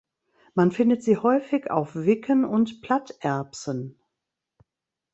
Man findet sie häufig auf Wicken und Platterbsen.